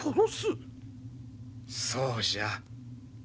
そうじゃ！